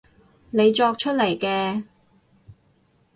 你作出嚟嘅